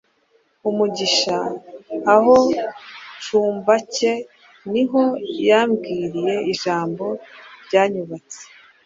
umugisha. Aho mu cyumba ke ni ho yambwiriye ijambo ryanyubatse